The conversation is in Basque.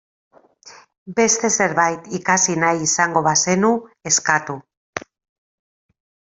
Beste zerbait ikasi nahi izango bazenu, eskatu.